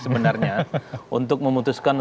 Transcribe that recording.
sebenarnya untuk memutuskan